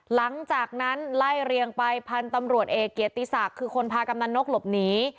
หลังจากนั้นไล่เรียงไปพันธุ์ตำรวจเอกเกียรติศักดิ์คือคนพากำนันนกหลบหนี